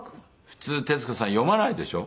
普通徹子さん読まないでしょ？